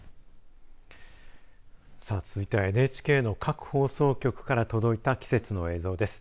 さあ、続いてはＮＨＫの各放送局から届いた季節の映像です。